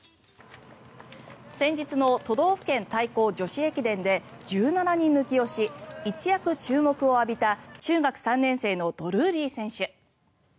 先日の都道府県対抗女子駅伝で１７人抜きをし一躍注目を浴びた中学３年生のドルーリー選手。